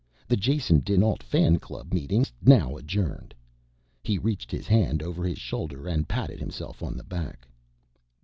The Jason dinAlt fan club meeting is now adjourned." He reached his hand over his shoulder and patted himself on the back.